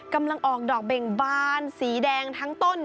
กำลังออกดอกเบ่งบานสีแดงทั้งต้น